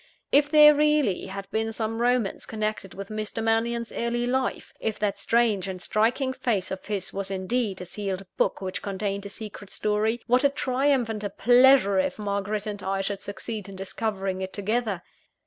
If there really had been some romance connected with Mr. Mannion's early life if that strange and striking face of his was indeed a sealed book which contained a secret story, what a triumph and a pleasure, if Margaret and I should succeed in discovering it together!